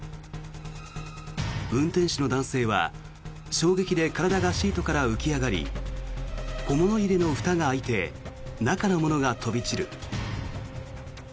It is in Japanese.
運転手の男性は衝撃で体がシートから浮き上がり小物入れのふたが開いて中のものが飛び散る。